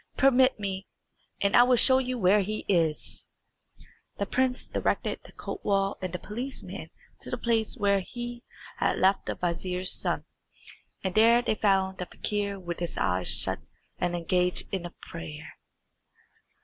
"Permit me, and I will show you where he is." The prince directed the kotwal and the policeman to the place where he had left the vizier's son, and there they found the fakir with his eyes shut and engaged in prayer.